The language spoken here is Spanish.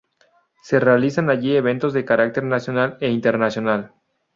Se realizan allí eventos de carácter nacional e internacional.